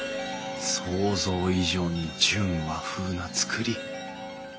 想像以上に純和風な造り。